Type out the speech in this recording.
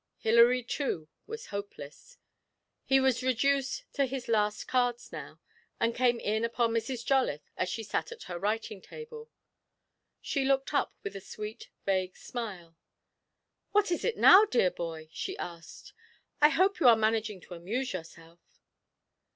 Hilary, too, was hopeless; he was reduced to his last cards now, and came in upon Mrs. Jolliffe as she sat at her writing table. She looked up with a sweet, vague smile. 'What is it now, dear boy?' she asked. 'I hope you are managing to amuse yourself.'